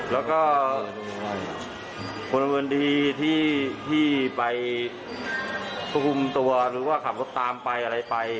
แล้วก็พลเมืองดีที่ไปควบคุมตัวหรือว่าขับรถตามไปอะไรไป